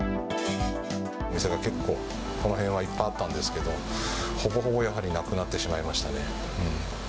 お店が結構、この辺はいっぱいあったんですけど、ほぼほぼやはりなくなってしまいましたね。